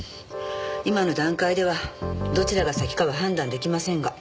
今の段階ではどちらが先かは判断出来ませんが。